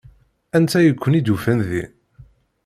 Anta i ken-id-yufan din?